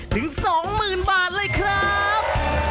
ถึง๒๐๐๐บาทเลยครับ